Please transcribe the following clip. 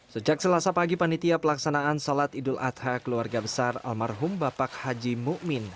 sejak selasa pagi panitia pelaksanaan salat idul adha keluarga besar almarhum bapak haji mu'min